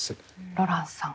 ロランスさん